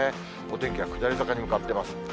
お天気は下り坂に向かってます。